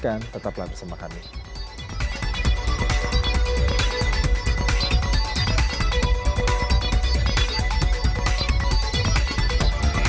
kami tahu bahwa ada banyak yang berlaku di sana